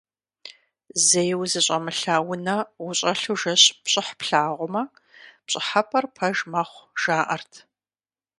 Зэи узыщӀэмылъа унэ ущӀэлъу жэщым пщӀыхь плъагъумэ, пщӀыхьэпӀэр пэж мэхъу, жаӀэрт.